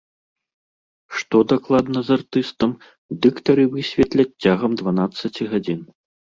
Што дакладна з артыстам, дыктары высветляць цягам дванаццаці гадзін.